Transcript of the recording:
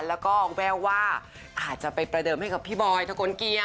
แล้วก็แววว่าอาจจะไปประเดิมให้กับพี่บอยทะกลเกียร์